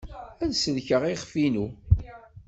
Ad sellkeɣ iɣef-inu.